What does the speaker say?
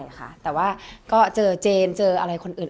จริงไม่ค่อยได้เจอเจนนี่เท่าไหร่ค่ะ